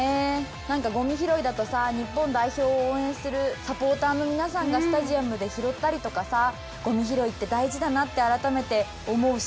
なんかごみ拾いだとさ日本代表を応援するサポーターの皆さんがスタジアムで拾ったりとかさごみ拾いって大事だなって改めて思う師走だよね。